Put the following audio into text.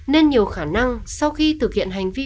nên nhiều khả năng sau khi thực hiện hành vi phá án